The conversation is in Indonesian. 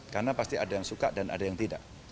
karena pasti ada yang suka dan ada yang tidak